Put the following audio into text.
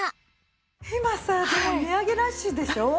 今さでも値上げラッシュでしょ？